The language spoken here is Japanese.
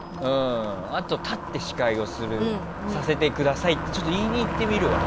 あと、立って司会をさせてくださいってちょっと言いに行ってみるわ。